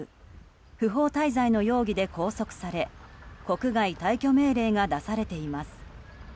不法滞在の容疑で拘束され国外退去命令が出されています。